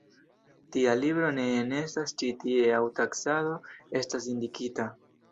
Tia libro ne enestas ĉi tie aŭ taksado estas indikita.